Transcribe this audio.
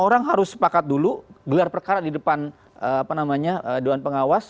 lima orang harus sepakat dulu gelar perkara di depan apa namanya doan pengawas